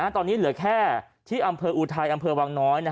ตอนนี้เหลือแค่ที่อำเภออุทัยอำเภอวังน้อย